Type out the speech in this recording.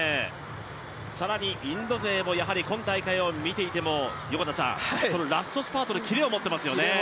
更にインド勢も今大会を見ていてもラストスパートでキレを持っていますよね。